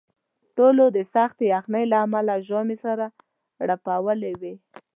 ټولو د سختې یخنۍ له لاسه ژامې سره کړپولې وې.